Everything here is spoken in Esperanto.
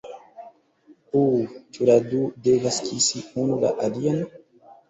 Uh... ĉu la du devas kisi unu la alian?